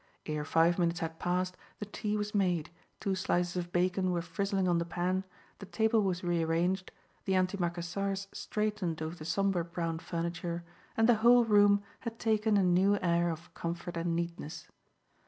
Ere five minutes had passed the tea was made, two slices of bacon were frizzling on the pan, the table was rearranged, the antimacassars straightened over the sombre brown furniture, and the whole room had taken a new air of comfort and neatness.